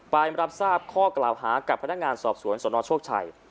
ไปรับทราบข้อกล่าวหากับพนักงานสอบสวนสนโชคชัย